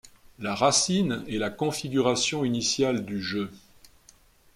La racine est la configuration initiale du jeu.